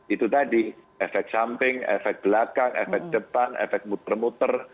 itu tadi efek samping efek belakang efek depan efek muter muter